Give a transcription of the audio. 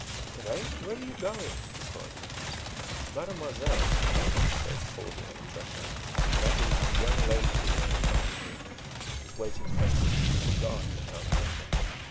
"But eh where are you going?" Ducroy demanded. "Mademoiselle," Lanyard said, pausing on the threshold "that is, the young lady who is to accompany me is waiting anxiously in the garden, out yonder.